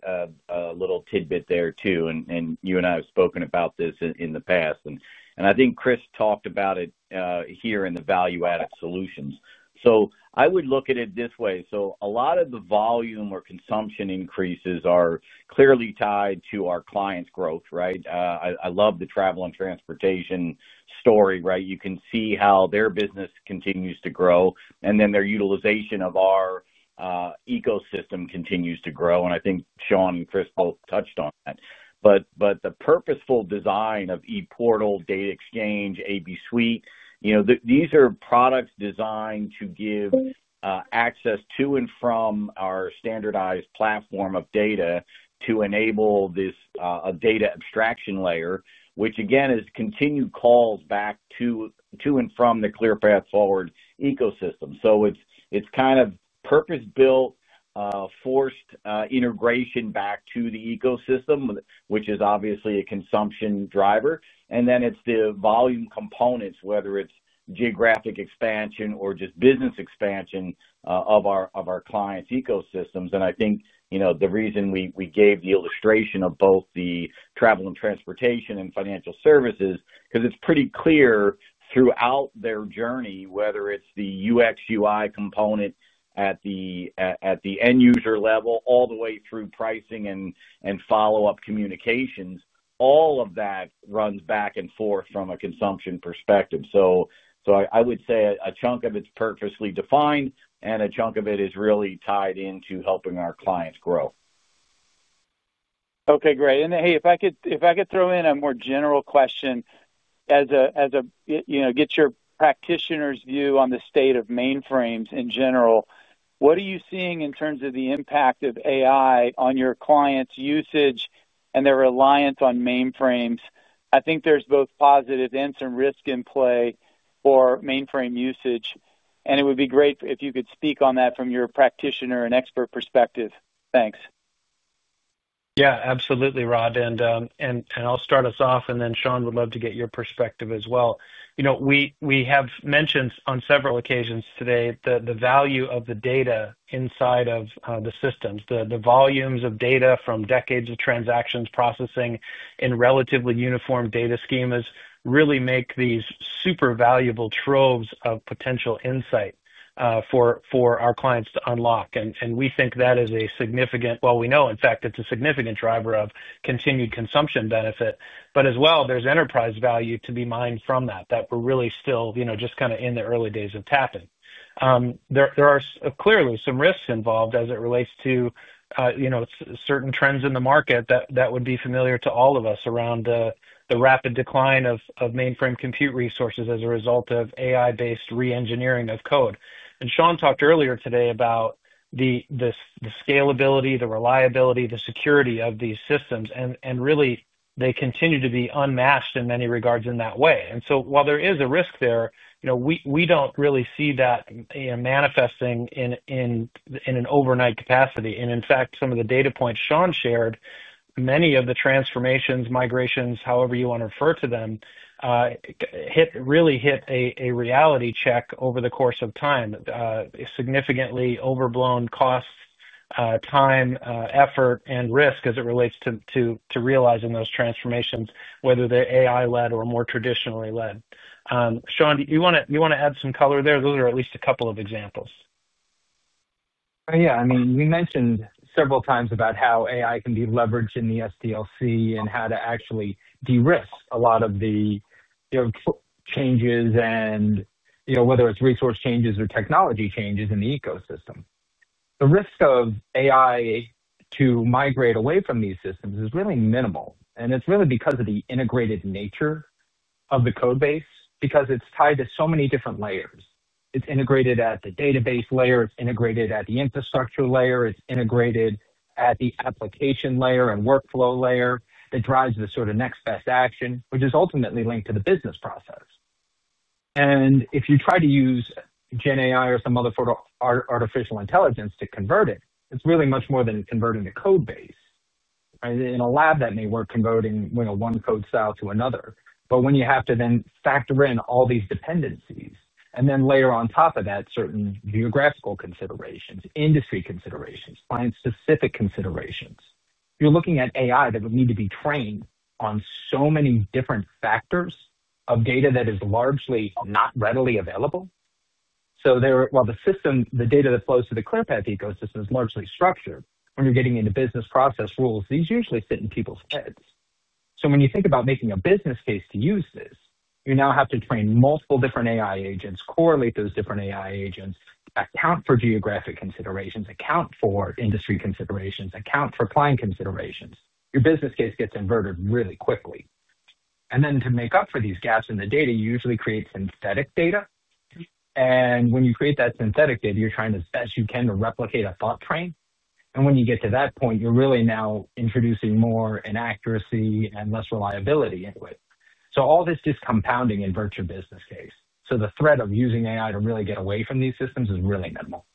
a little tidbit there too. You and I have spoken about this in the past. I think Chris talked about it here in the value-added solutions. I would look at it this way. A lot of the volume or consumption increases are clearly tied to our clients' growth, right? I love the travel and transportation story, right? You can see how their business continues to grow, and then their utilization of our ecosystem continues to grow. I think Sean and Chris both touched on that. The purposeful design of ePortal, Data Exchange, A/B Suite, these are products designed to give access to and from our standardized platform of data to enable this data abstraction layer, which again is continued calls back to and from the ClearPath Forward ecosystem. It is kind of purpose-built, forced integration back to the ecosystem, which is obviously a consumption driver. Then it is the volume components, whether it is geographic expansion or just business expansion of our clients' ecosystems. I think the reason we gave the illustration of both the travel and transportation and financial services is because it is pretty clear throughout their journey, whether it is the UX/UI component at the end user level, all the way through pricing and follow-up communications, all of that runs back and forth from a consumption perspective. I would say a chunk of it is purposely defined, and a chunk of it is really tied into helping our clients grow.
Okay, great. If I could throw in a more general question, as a, you know, get your practitioner's view on the state of mainframes in general, what are you seeing in terms of the impact of AI on your clients' usage and their reliance on mainframes? I think there's both positive and some risk in play for mainframe usage. It would be great if you could speak on that from your practitioner and expert perspective. Thanks.
Yeah, absolutely, Rod. I'll start us off, and then Sean would love to get your perspective as well. We have mentioned on several occasions today the value of the data inside of the systems. The volumes of data from decades of transaction processing in relatively uniform data schemas really make these super valuable troves of potential insight for our clients to unlock. We think that is a significant, we know, in fact, it's a significant driver of continued consumption benefit. There is enterprise value to be mined from that, that we're really still just kind of in the early days of tapping. There are clearly some risks involved as it relates to certain trends in the market that would be familiar to all of us around the rapid decline of mainframe compute resources as a result of AI-based re-engineering of code. Sean talked earlier today about the scalability, the reliability, the security of these systems. They continue to be unmasked in many regards in that way. While there is a risk there, we don't really see that manifesting in an overnight capacity. In fact, some of the data points Sean shared, many of the transformations, migrations, however you want to refer to them, really hit a reality check over the course of time. Significantly overblown costs, time, effort, and risk as it relates to realizing those transformations, whether they're AI-led or more traditionally led. Sean, do you want to add some color there? Those are at least a couple of examples.
Yeah, I mean, you mentioned several times about how AI can be leveraged in the SDLC and how to actually de-risk a lot of the changes, whether it's resource changes or technology changes in the ecosystem. The risk of AI to migrate away from these systems is really minimal. It's really because of the integrated nature of the code base, because it's tied to so many different layers. It's integrated at the database layer, it's integrated at the infrastructure layer, it's integrated at the application layer and workflow layer that drives the sort of next best action, which is ultimately linked to the business process. If you try to use GenAI or some other sort of artificial intelligence to convert it, it's really much more than converting the code base. In a lab, that may work converting one code style to another. When you have to then factor in all these dependencies and then layer on top of that certain geographical considerations, industry considerations, client-specific considerations, you're looking at AI that would need to be trained on so many different factors of data that is largely not readily available. While the system, the data that flows to the ClearPath Forward ecosystem is largely structured, when you're getting into business process rules, these usually sit in people's heads. When you think about making a business case to use this, you now have to train multiple different AI agents, correlate those different AI agents, account for geographic considerations, account for industry considerations, account for client considerations. Your business case gets inverted really quickly. To make up for these gaps in the data, you usually create synthetic data. When you create that synthetic data, you're trying as best you can to replicate a thought train. When you get to that point, you're really now introducing more inaccuracy and less reliability into it. All this is compounding in virtual business case. The threat of using AI to really get away from these systems is really minimal.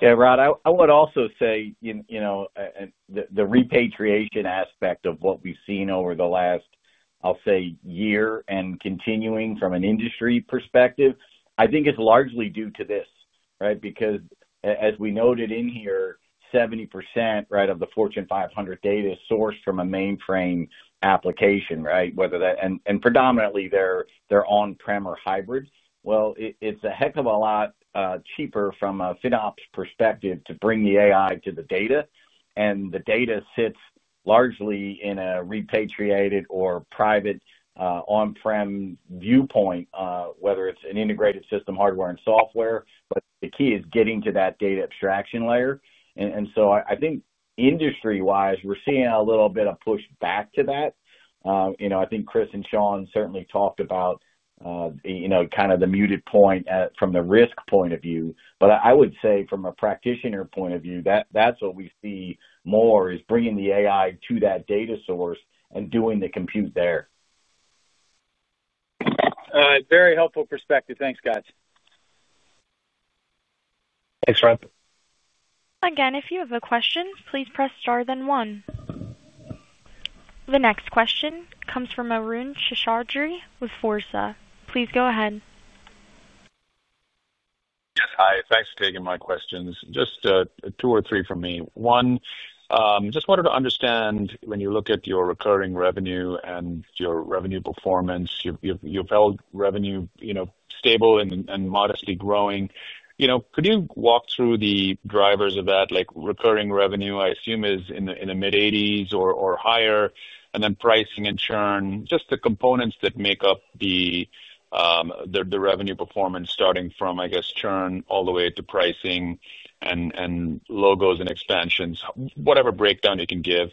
Yeah, Rod, I would also say, you know, the repatriation aspect of what we've seen over the last, I'll say, year and continuing from an industry perspective, I think it's largely due to this, right? Because as we noted in here, 70% of the Fortune 500 data is sourced from a mainframe application, right? Whether that, and predominantly they're on-prem or hybrid. It is a heck of a lot cheaper from a FinOps perspective to bring the AI to the data. The data sits largely in a repatriated or private on-prem viewpoint, whether it's an integrated system, hardware, and software. The key is getting to that data abstraction layer. I think industry-wise, we're seeing a little bit of push back to that. I think Chris and Sean certainly talked about, you know, kind of the muted point from the risk point of view. I would say from a practitioner point of view, that's what we see more is bringing the AI to that data source and doing the compute there.
Very helpful perspective. Thanks, guys.
Thanks, Rod.
Again, if you have a question, please press star, then one. The next question comes from Arun Shashardry with Forza. Please go ahead.
Yes, hi. Thanks for taking my questions. Just two or three from me. One, I just wanted to understand when you look at your recurring revenue and your revenue performance, you've held revenue, you know, stable and modestly growing. Could you walk through the drivers of that? Like recurring revenue, I assume, is in the mid-80% or higher, and then pricing and churn, just the components that make up the revenue performance, starting from, I guess, churn all the way to pricing and logos and expansions, whatever breakdown you can give.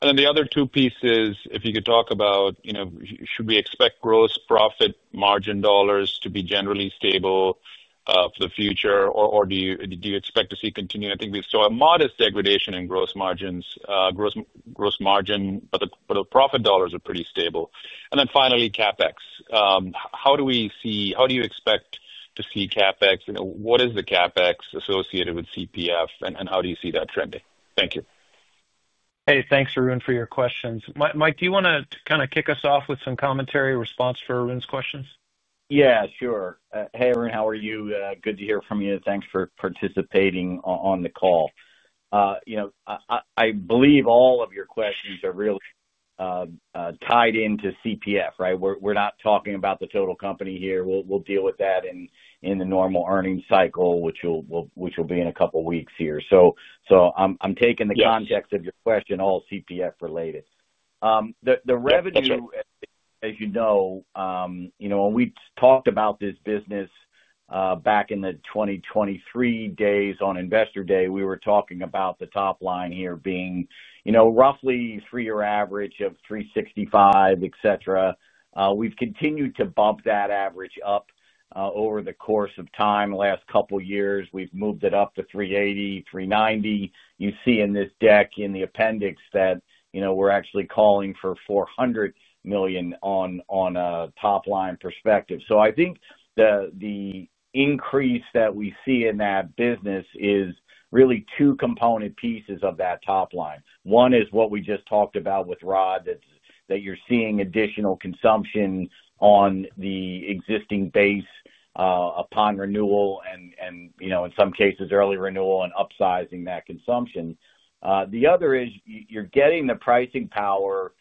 The other two pieces, if you could talk about, you know, should we expect gross profit margin dollars to be generally stable for the future, or do you expect to see continued? I think we saw a modest degradation in gross margins, gross margin, but the profit dollars are pretty stable. Finally, CapEx. How do we see, how do you expect to see CapEx? You know, what is the CapEx associated with ClearPath Forward, and how do you see that trending? Thank you.
Hey, thanks, Arun, for your questions. Mike, do you want to kind of kick us off with some commentary response for Arun's questions?
Yeah, sure. Hey, Arun, how are you? Good to hear from you. Thanks for participating on the call. I believe all of your questions are really tied into ClearPath Forward, right? We're not talking about the total company here. We'll deal with that in the normal earnings cycle, which will be in a couple of weeks here. I'm taking the context of your question, all ClearPath Forward related. The revenue, as you know, when we talked about this business back in the 2023 days on Investor Day, we were talking about the top line here being roughly three-year average of $365 million, et cetera. We've continued to bump that average up over the course of time. The last couple of years, we've moved it up to $380 million, $390 million. You see in this deck in the appendix that we're actually calling for $400 million on a top line perspective. I think the increase that we see in that business is really two component pieces of that top line. One is what we just talked about with Rod, that you're seeing additional consumption on the existing base upon renewal and, in some cases, early renewal and upsizing that consumption. The other is you're getting the pricing power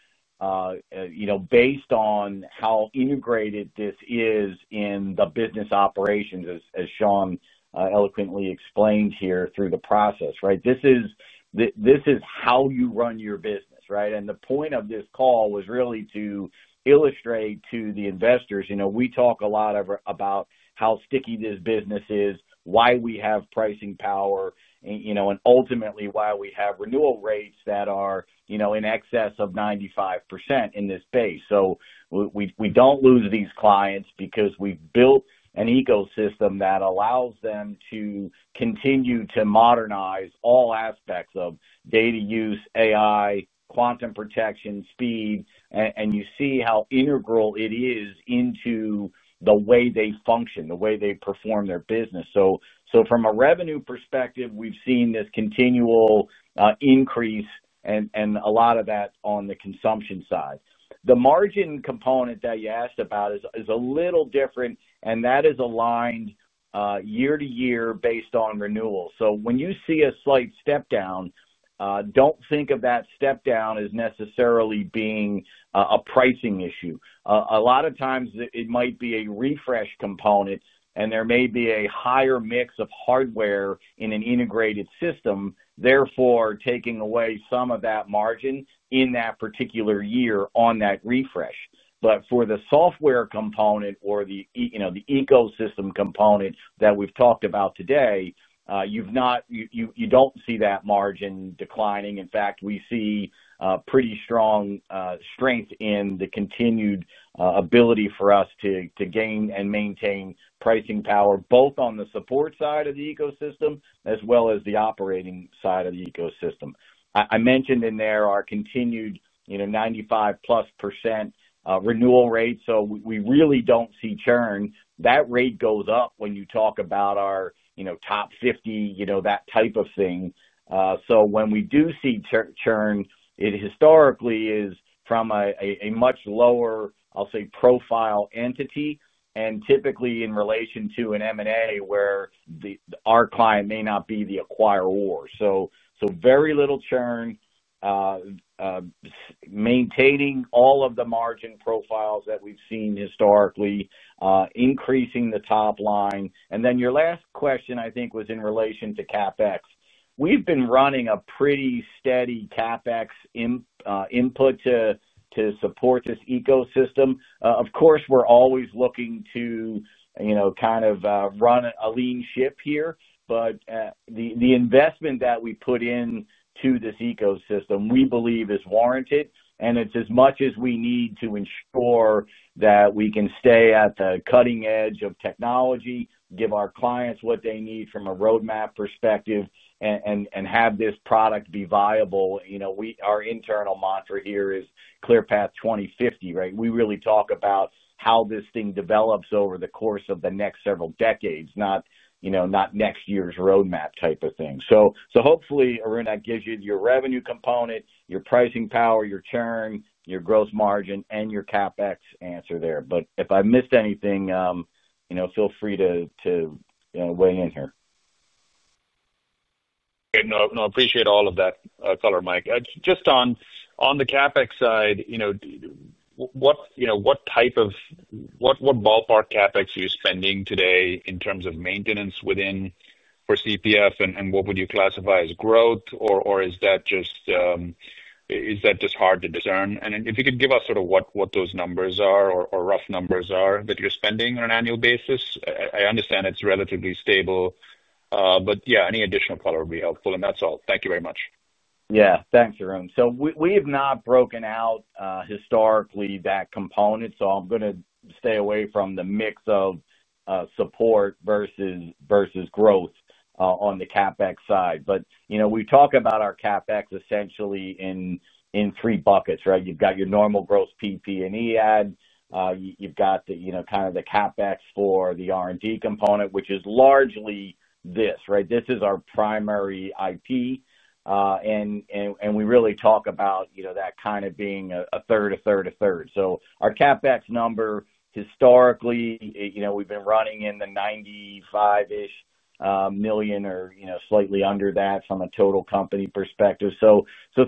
based on how integrated this is in the business operations, as Sean eloquently explained here through the process, right? This is how you run your business, right? The point of this call was really to illustrate to the investors, we talk a lot about how sticky this business is, why we have pricing power, and ultimately why we have renewal rates that are in excess of 95% in this space. We don't lose these clients because we've built an ecosystem that allows them to continue to modernize all aspects of data use, AI, quantum protection, speed, and you see how integral it is into the way they function, the way they perform their business. From a revenue perspective, we've seen this continual increase and a lot of that on the consumption side. The margin component that you asked about is a little different, and that is aligned year to year based on renewal. When you see a slight step down, don't think of that step down as necessarily being a pricing issue. A lot of times it might be a refresh component, and there may be a higher mix of hardware in an integrated system, therefore taking away some of that margin in that particular year on that refresh. For the software component or the ecosystem component that we've talked about today, you don't see that margin declining. In fact, we see pretty strong strength in the continued ability for us to gain and maintain pricing power, both on the support side of the ecosystem as well as the operating side of the ecosystem. I mentioned in there our continued, you know, 95+% renewal rate. We really don't see churn. That rate goes up when you talk about our, you know, top 50, that type of thing. When we do see churn, it historically is from a much lower, I'll say, profile entity, and typically in relation to an M&A where our client may not be the acquirer. Very little churn, maintaining all of the margin profiles that we've seen historically, increasing the top line. Your last question, I think, was in relation to CapEx. We've been running a pretty steady CapEx input to support this ecosystem. Of course, we're always looking to, you know, kind of run a lean ship here. The investment that we put into this ecosystem, we believe, is warranted, and it's as much as we need to ensure that we can stay at the cutting edge of technology, give our clients what they need from a roadmap perspective, and have this product be viable. Our internal mantra here is ClearPath Forward 2050, right? We really talk about how this thing develops over the course of the next several decades, not, you know, not next year's roadmap type of thing. Hopefully, Arun, that gives you your revenue component, your pricing power, your churn, your gross margin, and your CapEx answer there. If I missed anything, you know, feel free to weigh in here.
No, I appreciate all of that color, Mike. Just on the CapEx side, what type of, what ballpark CapEx are you spending today in terms of maintenance within for ClearPath Forward? What would you classify as growth? Is that just hard to discern? If you could give us sort of what those numbers are or rough numbers are that you're spending on an annual basis, I understand it's relatively stable. Any additional color would be helpful. That's all. Thank you very much.
Yeah, thanks, Arun. We have not broken out historically that component. I'm going to stay away from the mix of support versus growth on the CapEx side. We talk about our CapEx essentially in three buckets, right? You've got your normal gross PP&E add. You've got the CapEx for the R&D component, which is largely this, right? This is our primary IP. We really talk about that kind of being a third, a third, a third. Our CapEx number historically, we've been running in the $95 million-ish or slightly under that from a total company perspective.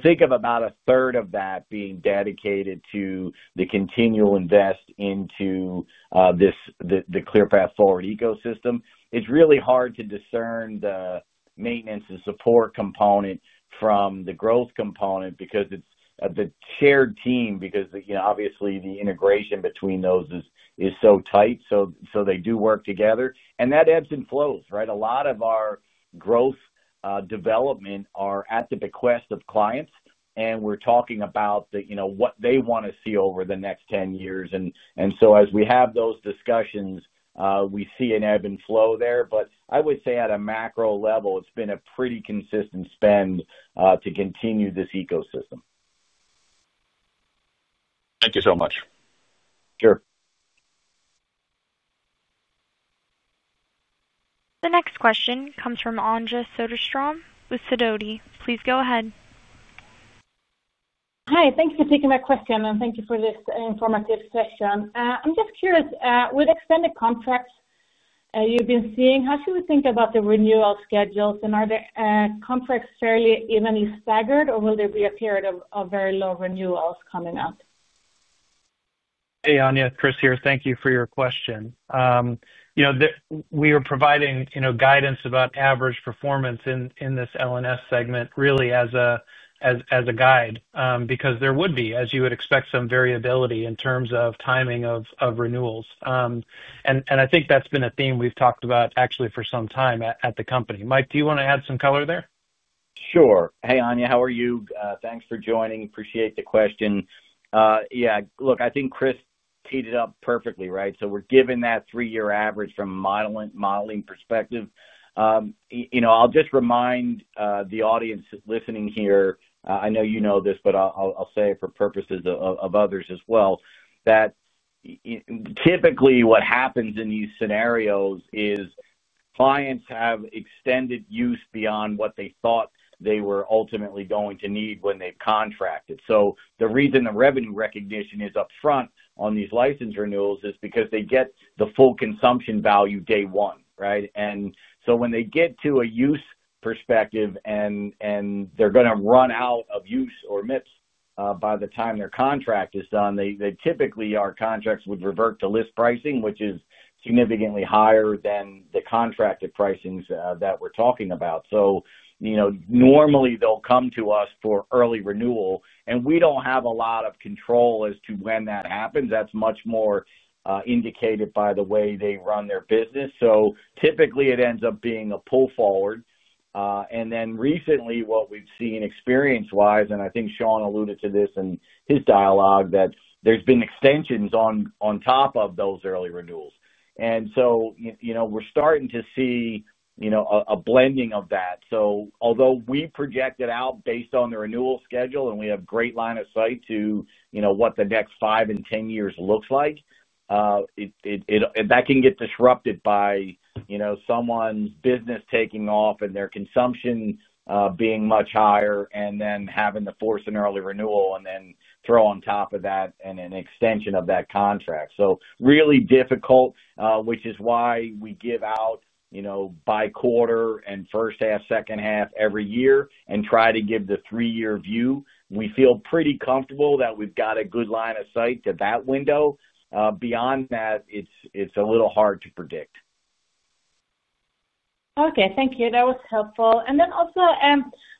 Think of about a third of that being dedicated to the continual investment into the ClearPath Forward ecosystem. It's really hard to discern the maintenance and support component from the growth component because it's the shared team, because obviously the integration between those is so tight. They do work together, and that ebbs and flows, right? A lot of our growth development is at the bequest of clients. We're talking about what they want to see over the next 10 years. As we have those discussions, we see an ebb and flow there. I would say at a macro level, it's been a pretty consistent spend to continue this ecosystem.
Thank you so much.
Sure.
The next question comes from Anja Soderstrom with Sidoti & Company. Please go ahead.
Hi, thanks for taking my question, and thank you for this informative session. I'm just curious, with extended contracts you've been seeing, how do you think about the renewal schedules? Are the contracts fairly evenly staggered, or will there be a period of very low renewals coming up?
Hey, Anja, Chris here. Thank you for your question. We were providing guidance about average performance in this L&S segment really as a guide because there would be, as you would expect, some variability in terms of timing of renewals. I think that's been a theme we've talked about actually for some time at the company. Mike, do you want to add some color there?
Sure. Hey, Anja, how are you? Thanks for joining. Appreciate the question. Yeah, look, I think Chris teed it up perfectly, right? We're given that three-year average from a modeling perspective. I'll just remind the audience listening here, I know you know this, but I'll say it for purposes of others as well, that typically what happens in these scenarios is clients have extended use beyond what they thought they were ultimately going to need when they've contracted. The reason the revenue recognition is upfront on these license renewals is because they get the full consumption value day one, right? When they get to a use perspective and they're going to run out of use or MIPS by the time their contract is done, typically our contracts would revert to list pricing, which is significantly higher than the contracted pricings that we're talking about. Normally they'll come to us for early renewal, and we don't have a lot of control as to when that happens. That's much more indicated by the way they run their business. Typically it ends up being a pull forward. Recently what we've seen experience-wise, and I think Sean alluded to this in his dialogue, is that there's been extensions on top of those early renewals. We're starting to see a blending of that. Although we project it out based on the renewal schedule and we have a great line of sight to what the next five and ten years look like, that can get disrupted by someone's business taking off and their consumption being much higher and then having to force an early renewal and then throw on top of that an extension of that contract. It's really difficult, which is why we give out by quarter and first half, second half every year and try to give the three-year view. We feel pretty comfortable that we've got a good line of sight to that window. Beyond that, it's a little hard to predict.
Okay, thank you. That was helpful.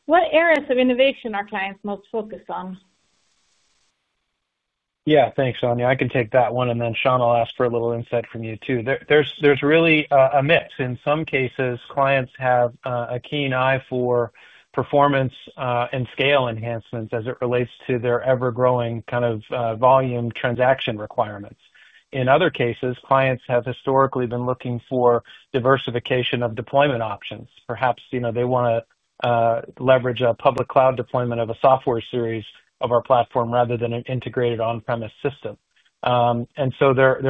What areas of innovation are clients most focused on?
Yeah, thanks, Anja. I can take that one, and then Sean, I'll ask for a little insight from you too. There's really a mix. In some cases, clients have a keen eye for performance and scale enhancements as it relates to their ever-growing kind of volume transaction requirements. In other cases, clients have historically been looking for diversification of deployment options. Perhaps, you know, they want to leverage a public cloud deployment of a software series of our platform rather than an integrated on-premise system. There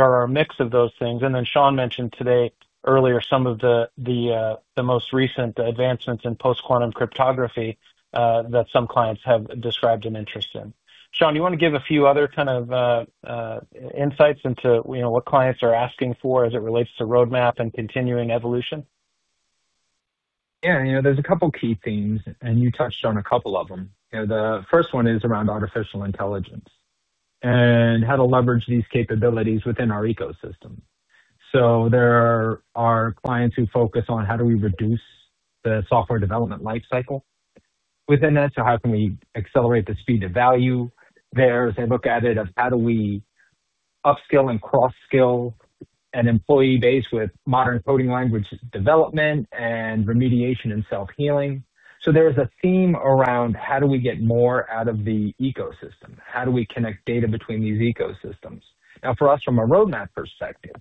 are a mix of those things. Sean mentioned today earlier some of the most recent advancements in post-quantum cryptography that some clients have described an interest in. Sean, do you want to give a few other kind of insights into, you know, what clients are asking for as it relates to roadmap and continuing evolution?
Yeah, you know, there's a couple of key themes, and you touched on a couple of them. The first one is around artificial intelligence and how to leverage these capabilities within our ecosystem. There are clients who focus on how do we reduce the software development lifecycle within that. How can we accelerate the speed to value? There's a look at it of how do we upskill and cross-skill an employee base with modern coding language development and remediation and self-healing. There is a theme around how do we get more out of the ecosystem. How do we connect data between these ecosystems? Now, for us, from a roadmap perspective,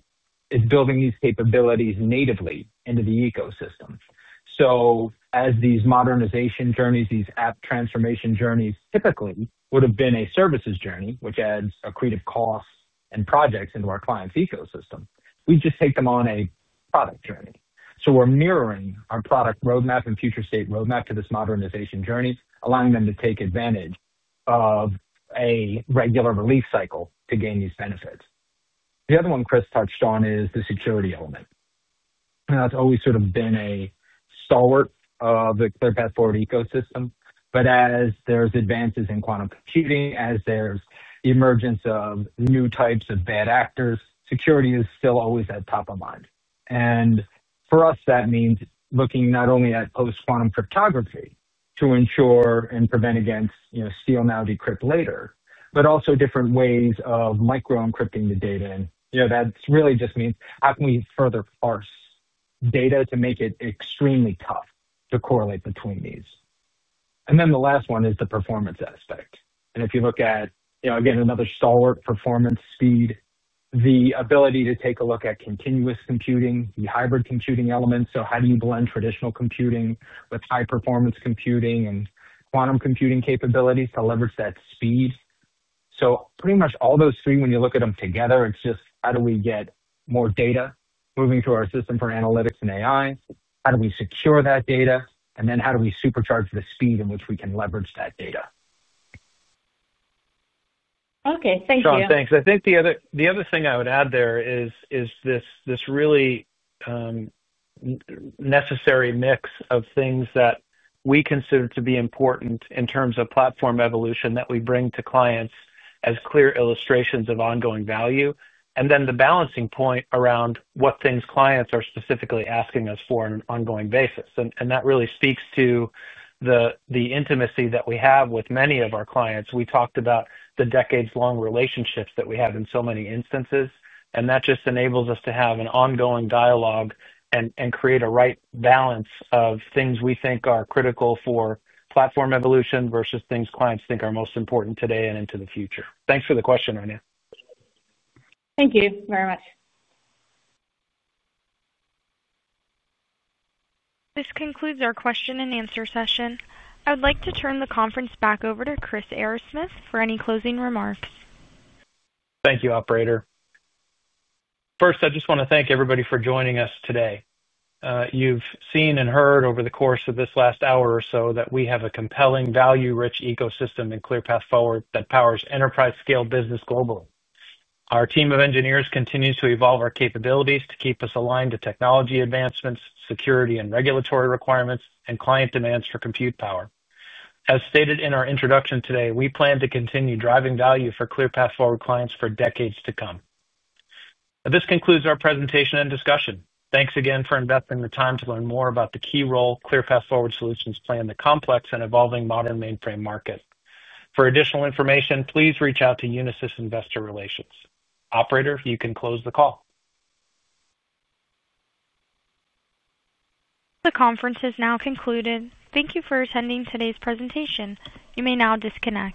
it's building these capabilities natively into the ecosystem. As these modernization journeys, these app transformation journeys typically would have been a services journey, which adds a creative cost and projects into our client's ecosystem, we just take them on a product journey. We're mirroring our product roadmap and future state roadmap to this modernization journey, allowing them to take advantage of a regular relief cycle to gain these benefits. The other one Chris touched on is the security element. It's always sort of been a stalwart of the ClearPath Forward ecosystem. As there's advances in quantum computing, as there's the emergence of new types of bad actors, security is still always at top of mind. For us, that means looking not only at post-quantum cryptography to ensure and prevent against, you know, steal now decrypt later, but also different ways of micro-encrypting the data. That really just means how can we further parse data to make it extremely tough to correlate between these. The last one is the performance aspect. If you look at, you know, again, another stalwart performance speed, the ability to take a look at continuous computing, the hybrid computing element. How do you blend traditional computing with high-performance computing and quantum computing capabilities to leverage that speed? Pretty much all those three, when you look at them together, it's just how do we get more data moving to our system for analytics and AI? How do we secure that data? How do we supercharge the speed in which we can leverage that data?
Okay, thank you.
Sean, thanks. I think the other thing I would add there is this really necessary mix of things that we consider to be important in terms of platform evolution that we bring to clients as clear illustrations of ongoing value. The balancing point around what things clients are specifically asking us for on an ongoing basis really speaks to the intimacy that we have with many of our clients. We talked about the decades-long relationships that we have in so many instances. That just enables us to have an ongoing dialogue and create a right balance of things we think are critical for platform evolution versus things clients think are most important today and into the future. Thanks for the question, Anja.
Thank you very much.
This concludes our question and answer session. I would like to turn the conference back over to Chris Arrasmith for any closing remarks.
Thank you, Operator. First, I just want to thank everybody for joining us today. You've seen and heard over the course of this last hour or so that we have a compelling, value-rich ecosystem in ClearPath Forward that powers enterprise-scale business globally. Our team of engineers continues to evolve our capabilities to keep us aligned to technology advancements, security and regulatory requirements, and client demands for compute power. As stated in our introduction today, we plan to continue driving value for ClearPath Forward clients for decades to come. This concludes our presentation and discussion. Thanks again for investing the time to learn more about the key role ClearPath Forward Solutions play in the complex and evolving modern mainframe market. For additional information, please reach out to Unisys Investor Relations. Operator, you can close the call.
The conference is now concluded. Thank you for attending today's presentation. You may now disconnect.